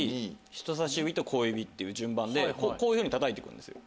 人さし指と小指っていう順番でこういうふうにたたいていくんですよ。